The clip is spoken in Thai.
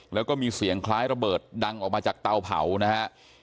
แล้วก็มีเสียงคล้ายระเบิดดังออกมาจากเตาเผานะฮะ